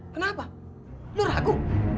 kenapa lu ragu